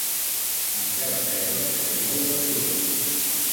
Encara sembla que té molt de dolor.